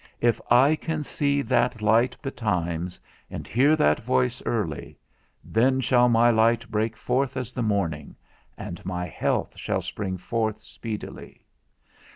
If I can see that light betimes, and hear that voice early, Then shall my light break forth as the morning, and my health shall spring forth speedily.